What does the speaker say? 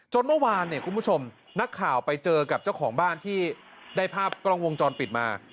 เมื่อวานเนี่ยคุณผู้ชมนักข่าวไปเจอกับเจ้าของบ้านที่ได้ภาพกล้องวงจรปิดมา